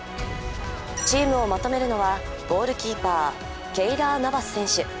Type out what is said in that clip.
チームをまとめるのは、ゴールキーパーケイラー・ナバス選手。